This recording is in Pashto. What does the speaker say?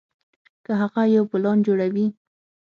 کۀ هغه يو پلان جوړوي